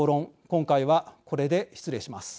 今回はこれで失礼します。